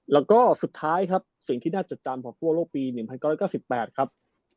แล้วก็สุดท้ายครับสิ่งที่น่าจดจำของทั่วโลกปี๑๙๙๘ครับ